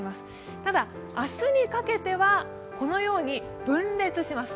ただ、明日にかけてはこのように分裂します。